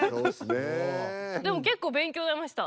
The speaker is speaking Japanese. でも結構勉強になりました。